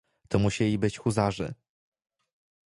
"To musieli być huzarzy!"